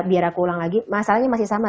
itu lagi lagi masalahnya